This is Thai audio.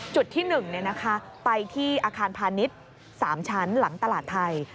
จุดที่๑ไปที่อาคารพาณิชย์๓ชั้นหลังตลาดไทย